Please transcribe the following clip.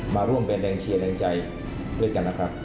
มาร่วมเป็นแรงเชียร์แรงใจด้วยกันนะครับ